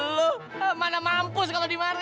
lo mana mampus kalau dimari